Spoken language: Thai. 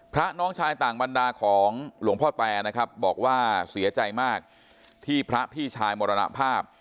น้องชายต่างบรรดาของหลวงพ่อแตนะครับบอกว่าเสียใจมากที่พระพี่ชายมรณภาพ